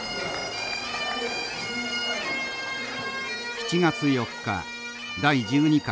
７月４日第１２回